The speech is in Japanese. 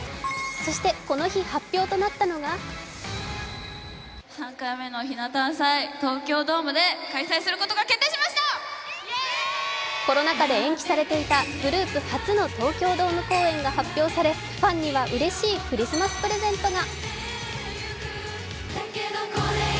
そしてこの日発表となったのがコロナ禍で延期されていたグループ初の東京ドーム公演が発表されファンにはうれしいクリスマスプレゼントが。